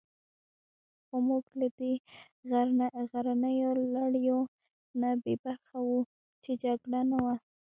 خو موږ له دې غرنیو لړیو نه بې برخې وو، چې جګړه نه وه.